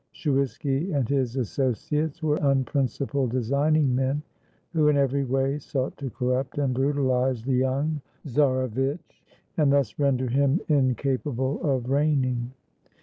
Shuiski and his associates were unprincipled, designing men, who in every way sought to corrupt and brutalize the young czarevitch, and thus render him incapable of reigning.